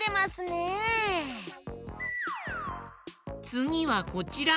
つぎはこちら！